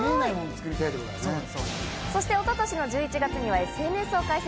そして一昨年の１１月にはＳＮＳを開設。